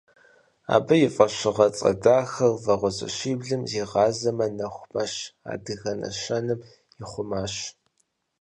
Абы и фӀэщыгъэцӀэ дахэр «Вагъуэзэшиблым зигъазэмэ, нэху мэщ» адыгэ нэщэнэм ихъумащ.